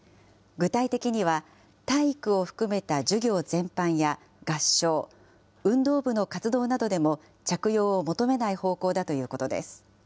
具体的には、体育を含めた授業全般や合唱、運動部の活動などでも着用を求めない方向だということです。